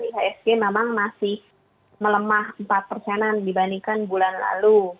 ihsg memang masih melemah empat persenan dibandingkan bulan lalu